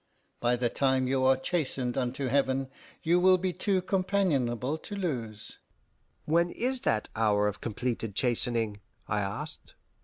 By the time you are chastened unto heaven you will be too companionable to lose." "When is that hour of completed chastening?" I asked.